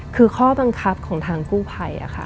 คือข้อบังคับของทางกู้ภัยค่ะ